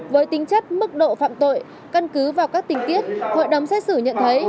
với tính chất mức độ phạm tội căn cứ vào các tình tiết hội đồng xét xử nhận thấy